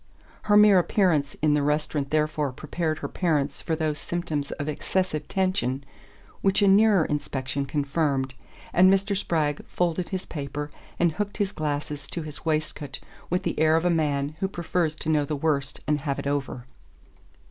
Her mere appearance in the restaurant therefore prepared her parents for those symptoms of excessive tension which a nearer inspection confirmed, and Mr. Spragg folded his paper and hooked his glasses to his waistcoat with the air of a man who prefers to know the worst and have it over.